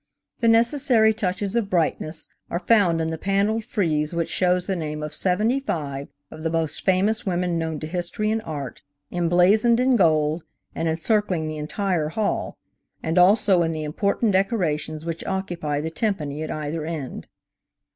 The necessary touches of brightness are found in the panelled frieze which shows the names of seventy five of the most famous women known to history and art, emblazoned in gold and encircling the entire hall, and also in the important decorations which occupy the tympani at either end.